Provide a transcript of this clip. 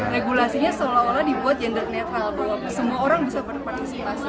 regulasinya seolah olah dibuat gender netral bahwa semua orang bisa berpartisipasi